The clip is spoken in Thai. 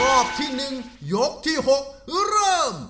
รอบที่หนึ่งยกที่๖เริ่ม